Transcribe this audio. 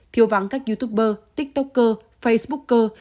thiêu vắng các youtuber tiktoker facebooker